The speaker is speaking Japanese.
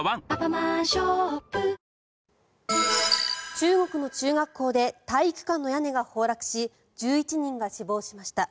中国の中学校で体育館の屋根が崩落し１１人が死亡しました。